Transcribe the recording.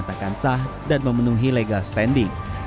karena gugatan dinyatakan sah dan memenuhi legal standing